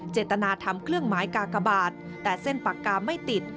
เจตนาทำเครื่องหมายกากบาทแต่เส้นปากกาไม่ติด